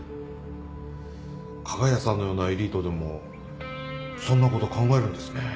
加賀谷さんのようなエリートでもそんなこと考えるんですね。